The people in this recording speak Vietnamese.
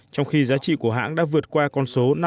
trong khi giá trị của hãng đã vượt qua con số năm